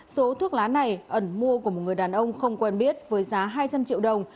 số thuốc lá này ẩn mua của một người đàn ông không quen biết với giá hai trăm linh triệu đồng